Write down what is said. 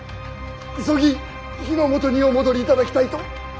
急ぎ日の本にお戻りいただきたいと。